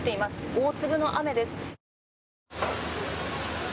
大粒の雨です。